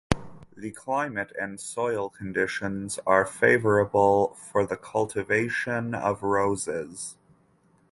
The climate and soil conditions are favorable for the cultivation of roses.